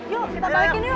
yuk kita balikin yuk